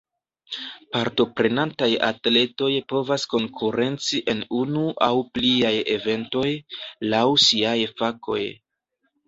Partoprenantaj atletoj povas konkurenci en unu aŭ pliaj eventoj, laŭ siaj fakoj.